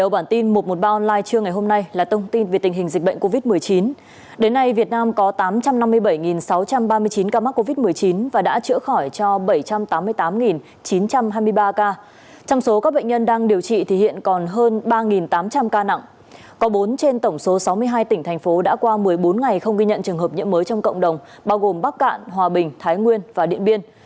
các bạn hãy đăng ký kênh để ủng hộ kênh của chúng mình nhé